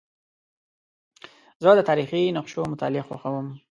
زه د تاریخي نقشو مطالعه خوښوم.